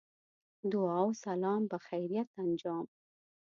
دعا و سلام بخیریت انجام.